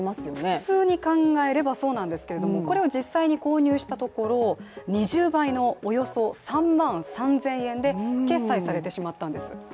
普通に考えればそうなんですがこれを実際に購入したところ、２０倍のおよそ３万３０００円で決済されてしまったんです。